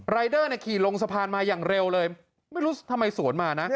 เดอร์เนี่ยขี่ลงสะพานมาอย่างเร็วเลยไม่รู้ทำไมสวนมานะ